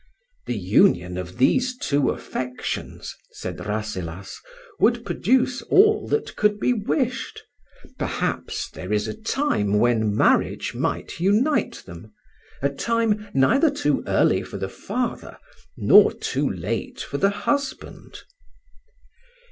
"The union of these two affections," said Rasselas, "would produce all that could be wished. Perhaps there is a time when marriage might unite them—a time neither too early for the father nor too late for the husband."